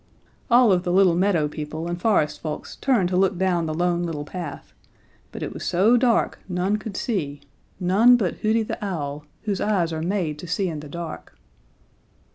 "All of the little meadow people and forest folks turned to look down the Lone Little Path, but it was so dark none could see, none but Hooty the Owl, whose eyes are made to see in the dark.